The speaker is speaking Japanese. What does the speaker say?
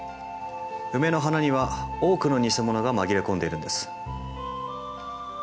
ウメの花には多くのニセモノが紛れ込んでいるんです。